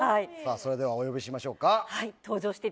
それではお呼びしましょうか。